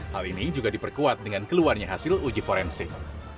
hal ini juga diperkuat dengan keluarnya hasil uji forensik